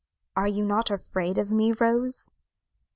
Are you not afraid of me, Rose?"